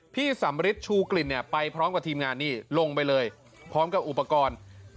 พี่สำริทชูกลิ่นเนี่ยไปพร้อมกับทีมงานนี่ลงไปเลยพร้อมกับอุปกรณ์